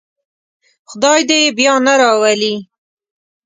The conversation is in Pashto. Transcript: خدای دې یې بیا نه راولي.